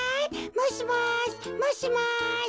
もしもしもしもし。